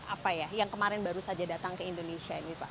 apa ya yang kemarin baru saja datang ke indonesia ini pak